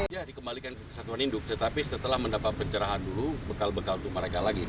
ya dikembalikan ke satuan induk tetapi setelah mendapat pencerahan dulu bekal bekal untuk mereka lagi